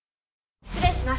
失礼します。